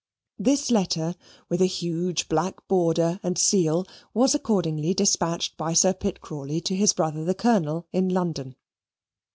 This letter, with a huge black border and seal, was accordingly despatched by Sir Pitt Crawley to his brother the Colonel, in London.